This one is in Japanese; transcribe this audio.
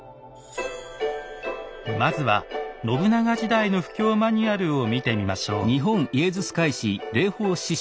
まずは信長時代の布教マニュアルを見てみましょう。